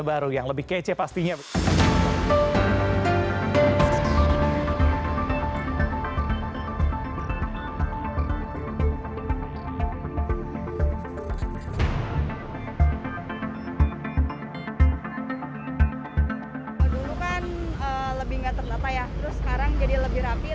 dulu kan lebih nggak terdata ya terus sekarang jadi lebih rapi